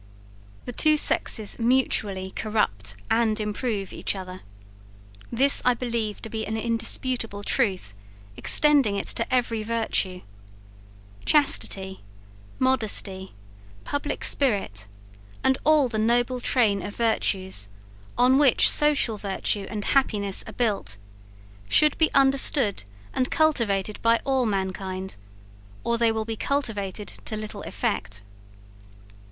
The two sexes mutually corrupt and improve each other. This I believe to be an indisputable truth, extending it to every virtue. Chastity, modesty, public spirit, and all the noble train of virtues, on which social virtue and happiness are built, should be understood and cultivated by all mankind, or they will be cultivated to little effect.